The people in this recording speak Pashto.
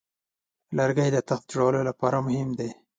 لرګی د تخت جوړولو لپاره مهم دی.